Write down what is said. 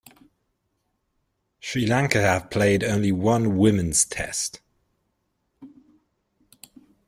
Sri Lanka have played only one women's Test.